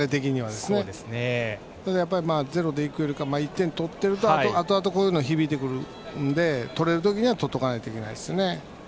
でもやはり、ゼロでいくよりかは１点取っているとあとあとこういうのが響いてくるので取れる時には取っておかないといけないですね。